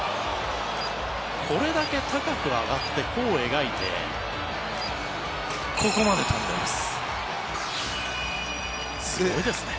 これだけ高く上がって弧を描いてここまで飛んでいます。